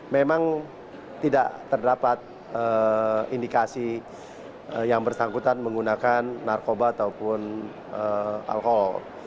memang tidak terdapat indikasi yang bersangkutan menggunakan narkoba ataupun alkohol